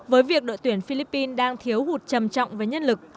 với việc đội tuyển philippines đang thiếu hụt trầm trọng với nhân lực